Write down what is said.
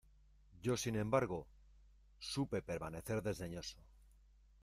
yo, sin embargo , supe permanecer desdeñoso.